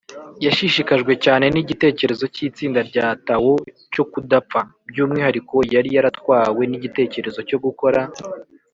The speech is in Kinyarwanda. yashishikajwe cyane n’igitekerezo cy’itsinda rya tao cyo kudapfa. by’umwihariko, yari yaratwawe n’igitekerezo cyo gukora